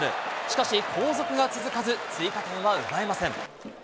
しかし、後続が続かず、追加点は奪えません。